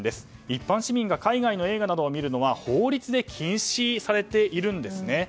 一般市民が海外などの映画を見るのは法律で禁止されているんですね。